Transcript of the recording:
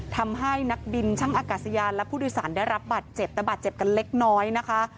ทำให้นักบินช่างอากาศยานและผู้โดยสารได้รับบัตรเจ็บแต่บาดเจ็บกันเล็กน้อยนะคะ